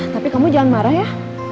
tapi kamu jangan marah ya